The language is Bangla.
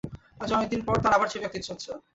আজ অনেক দিন পর তার আবার ছবি আঁকতে ইচ্ছা হচ্ছে।